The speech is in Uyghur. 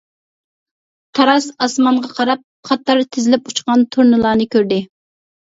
تاراس ئاسمانغا قاراپ، قاتار تىزىلىپ ئۇچقان تۇرنىلارنى كۆردى.